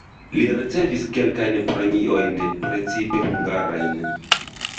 Li ricevis kelkajn premiojn (precipe hungarajn).